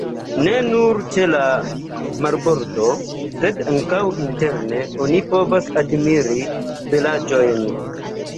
Ne nur ĉe la marbordo, sed ankaŭ interne, oni povas admiri belaĵojn.